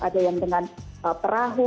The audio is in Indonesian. ada yang dengan perahu